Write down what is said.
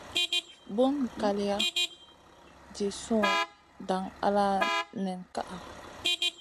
Buŋ kaley jih su dang ala nen kaʼa.